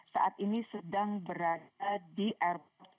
saat ini sedang berada di airport